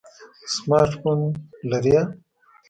سمارټ فون لرئ؟